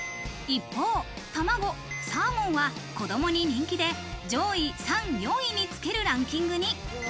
一方、たまご、サーモンは子供に人気で、上位３位、４位につけるランキングに。